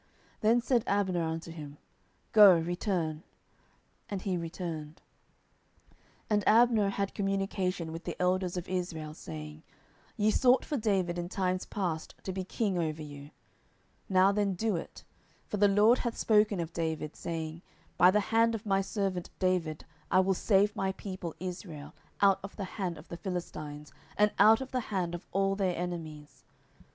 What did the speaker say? Then said Abner unto him, Go, return. And he returned. 10:003:017 And Abner had communication with the elders of Israel, saying, Ye sought for David in times past to be king over you: 10:003:018 Now then do it: for the LORD hath spoken of David, saying, By the hand of my servant David I will save my people Israel out of the hand of the Philistines, and out of the hand of all their enemies.